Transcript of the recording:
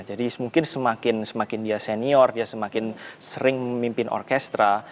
jadi mungkin semakin dia senior dia semakin sering memimpin orkestra